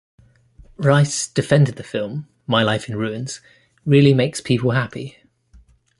Reiss defended the film: "My Life in Ruins" really makes people happy.